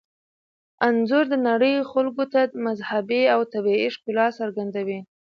انځور د نړۍ خلکو ته مذهبي او طبیعي ښکلا څرګندوي.